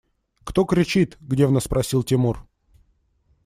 – Кто кричит? – гневно спросил Тимур.